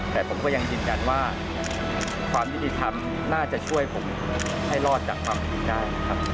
แต่ผมก็ยังยืนยันว่าความยุติธรรมน่าจะช่วยผมให้รอดจากความผิดได้นะครับ